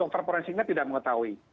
dokter forensiknya tidak mengetahui